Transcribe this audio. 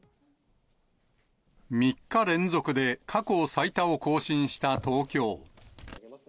３日連続で過去最多を更新した東京。